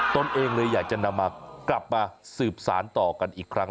ตนเองเลยอยากจะนำมากลับมาสืบสารต่อกันอีกครั้ง